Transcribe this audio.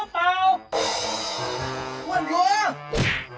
ทำไมบอกควรอยู่นี่